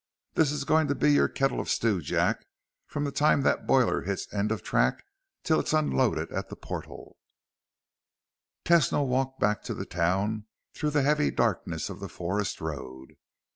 This is going to be your kettle of stew, Jack, from the time that boiler hits end of track till it's unloaded at the portal." Tesno walked back to the town through the heavy darkness of the forest road.